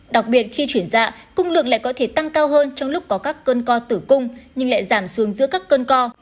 đặc biệt khi chuyển dạ cung lượng lại có thể tăng cao hơn trong lúc có các cơn co tử cung nhưng lại giảm xuống giữa các cơn co